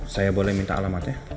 saya boleh minta alamatnya